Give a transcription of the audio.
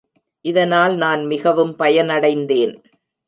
இதனால் நான் மிகவும் பயனடைந்தேன்.